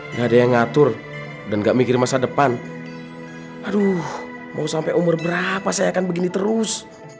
nggak ada yang ngatur dan gak mikir masa depan aduh mau sampai umur berapa saya akan begini terus